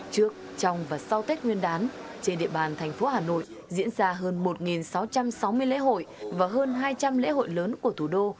trước trong và sau tết nguyên đán trên địa bàn thành phố hà nội diễn ra hơn một sáu trăm sáu mươi lễ hội và hơn hai trăm linh lễ hội lớn của thủ đô